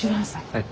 はい。